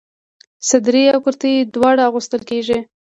صدرۍ او کرتۍ دواړه اغوستل کيږي.